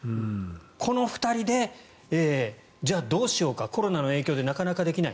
この２人でじゃあ、どうしようかコロナの影響でなかなかできない。